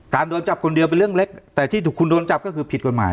โดนจับคนเดียวเป็นเรื่องเล็กแต่ที่คุณโดนจับก็คือผิดกฎหมาย